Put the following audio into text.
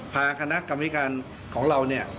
พาคณะคำพิการของเราเนี่ย